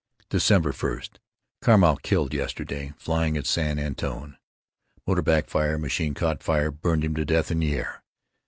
December 1: Carmeau killed yesterday, flying at San Antone. Motor backfire, machine caught fire, burned him to death in the air.